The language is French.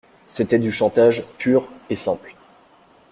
C’était du chantage pur et simple.